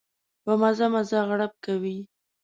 په مزه مزه غړپ کوي.